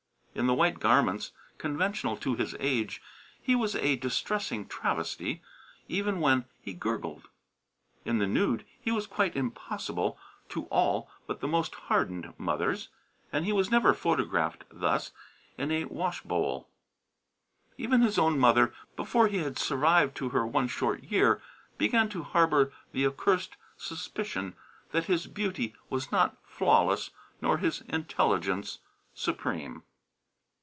In the white garments conventional to his age he was a distressing travesty, even when he gurgled. In the nude he was quite impossible to all but the most hardened mothers, and he was never photographed thus in a washbowl. Even his own mother, before he had survived to her one short year, began to harbour the accursed suspicion that his beauty was not flawless nor his intelligence supreme.